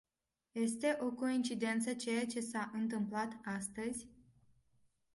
Este o coincidență ceea ce s-a întâmplat astăzi?